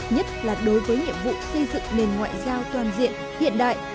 nhất là đối với nhiệm vụ xây dựng nền ngoại giao toàn diện hiện đại